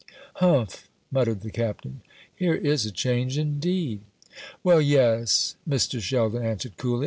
"Humph," muttered the Captain, "here is a change indeed!" "Well, yes," Mr. Sheldon answered coolly.